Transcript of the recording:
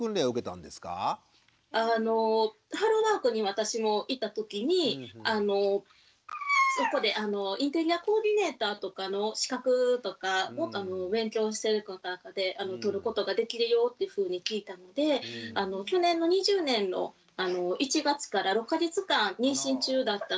ハローワークに私も行ったときにそこでインテリアコーディネーターとかの資格とかを勉強していく中で取ることができるよってふうに聞いたので去年の２０年の１月から６か月間妊娠中だったんですけれども。